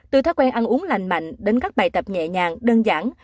từ thói quen ăn uống lành mạnh đến các bài tập nhẹ nhàng đơn giản